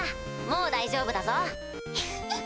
もう大丈夫だぞ。